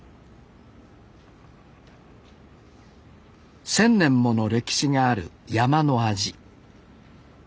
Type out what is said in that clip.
１，０００年もの歴史がある山の味